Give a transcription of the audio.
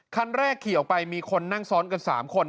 คันแรกขี่ออกไปมีคนนั่งซ้อนกัน๓คน